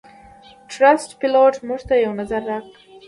ټرسټ پیلوټ - موږ ته یو نظر راکړئ